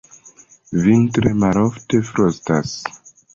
Vintre tre malofte frostas.